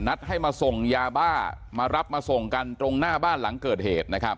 ให้มาส่งยาบ้ามารับมาส่งกันตรงหน้าบ้านหลังเกิดเหตุนะครับ